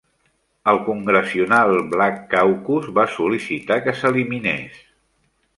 El Congressional Black Caucus va sol·licitar que s'eliminés.